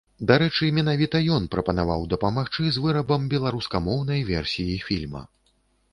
Дарэчы, менавіта ён прапанаваў дапамагчы з вырабам беларускамоўнай версіі фільма.